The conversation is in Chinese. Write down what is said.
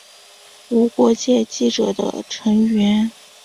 无国界记者是的成员。